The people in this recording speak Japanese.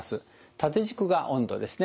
縦軸が温度ですね。